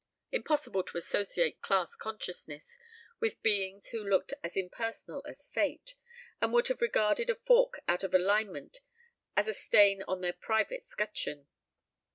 Impossible to associate class consciousness with beings who looked as impersonal as fate, and would have regarded a fork out of alignment as a stain on their private 'scutcheon.